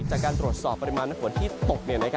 จากการตรวจสอบปริมาณฝนที่ตก